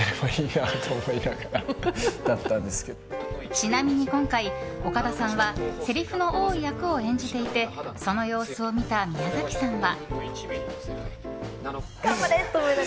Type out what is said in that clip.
ちなみに今回、岡田さんはせりふの多い役を演じていてその様子を見た宮崎さんは。